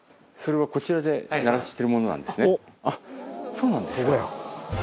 そうなんですか。